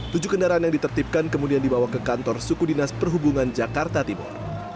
tujuh kendaraan yang ditertipkan kemudian dibawa ke kantor suku dinas perhubungan jakarta timur